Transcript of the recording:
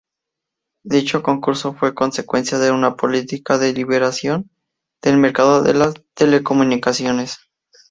Dicho concurso fue consecuencia de una política de liberalización del mercado de las telecomunicaciones.